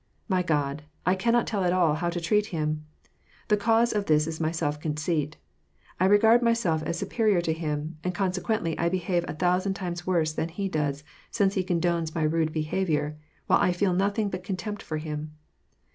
My God ! I cannot tell at all how to treat him. The cause of this is my self conceit. I regard myself as superior to him, and consequently I behave a thousand times worse than he does, since he condones my rude behavior, while 1 feel nothing but contempt for him.